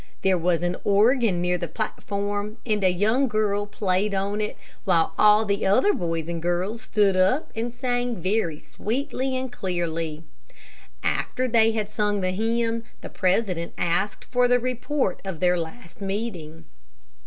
There was an organ near the platform, and a young girl played on it, while all the other boys and girls stood up, and sang very sweetly and clearly. After they had sung the hymn, the president asked for the report of their last meeting.